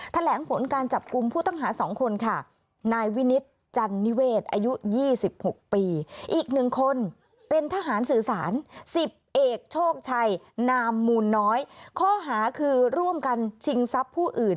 แถลงผลการจับกลุ่มผู้ตั้งหาสองคนค่ะนายวินิตจันนิเวศอายุ๒๖ปี